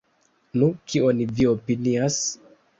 Nu, kion vi opinias?